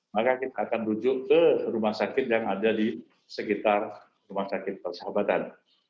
maka kita akan rujuk ke rumah sakit yang ada di sekitar rumah sakit persahabatan